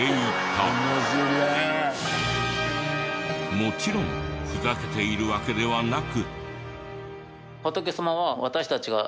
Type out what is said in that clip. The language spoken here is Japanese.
もちろんふざけているわけではなく。